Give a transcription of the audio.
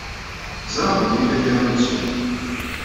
Ẓṛiɣ belli yella kra i ttuɣ.